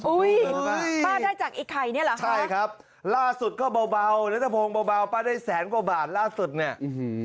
อุ้ยป้าได้จากไอ้ไข่เนี่ยหรอฮะใช่ครับล่าสุดก็เบาเนื้อทะพงเบาป้าได้แสนกว่าบาทล่าสุดเนี่ย